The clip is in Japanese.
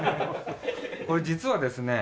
これ実はですね